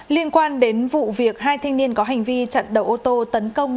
liên quan đến vụ việc hai thanh niên có hành vi chặn đầu ô tô tấn công